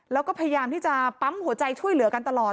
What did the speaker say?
แล้วก็พยายามที่จะปั๊มหัวใจช่วยเหลือกันตลอด